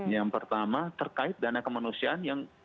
yang pertama terkait dana kemanusiaan yang banyak digalang